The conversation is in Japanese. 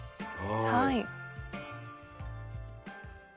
はい。